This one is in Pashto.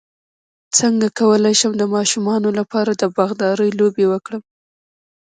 څنګه کولی شم د ماشومانو لپاره د باغدارۍ لوبې وکړم